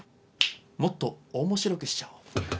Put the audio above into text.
もっと面白くしちゃおう。